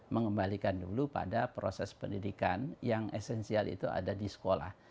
mengembalikan dulu pada proses pendidikan yang esensial itu ada di sekolah